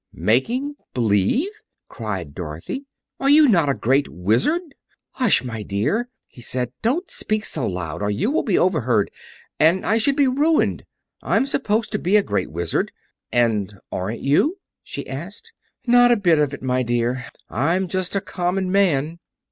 "Making believe!" cried Dorothy. "Are you not a Great Wizard?" "Hush, my dear," he said. "Don't speak so loud, or you will be overheard—and I should be ruined. I'm supposed to be a Great Wizard." "And aren't you?" she asked. "Not a bit of it, my dear; I'm just a common man."